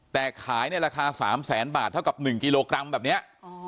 แต่ขายในราคาสามแสนบาทเท่ากับหนึ่งกิโลกรัมแบบเนี่ย